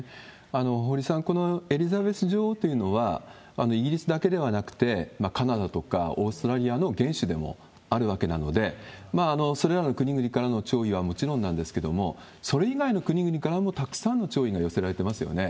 堀さん、このエリザベス女王というのは、イギリスだけではなくて、カナダとかオーストラリアの元首でもあるわけなので、それらの国々からの弔意はもちろんなんですけれども、それ以外の国々からもたくさんの弔意が寄せられてますよね。